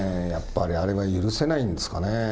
やっぱりあれは許せないんですかね。